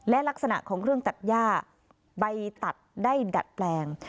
และลักษณะของเครื่องตัดย่าใบตัดได้ดัดแปลง